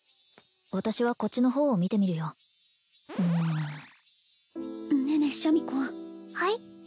私はこっちの方を見てみるようんねえねえシャミ子はい？